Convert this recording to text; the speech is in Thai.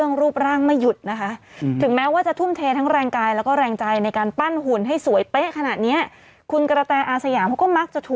ชมพอร์มอนุมัติคนละครึ่งพศ๔ได้คนละ๑๒๐๐บาท